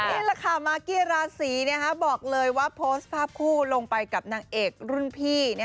นี่แหละค่ะมากกี้ราศีบอกเลยว่าโพสต์ภาพคู่ลงไปกับนางเอกรุ่นพี่